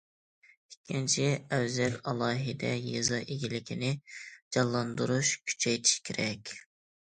ئىككىنچى، ئەۋزەل، ئالاھىدە يېزا ئىگىلىكىنى جانلاندۇرۇش، كۈچەيتىش كېرەك.